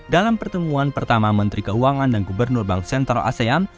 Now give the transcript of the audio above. dalam pertemuan pertama menteri keuangan dan gubernur bank sentral asean